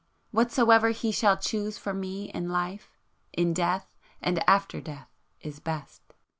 Whatsoever He shall choose for me in life, in death, and after death, is best."